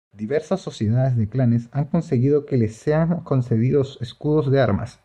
Diversas sociedades de clanes han conseguido que les sean concedidos escudos de armas.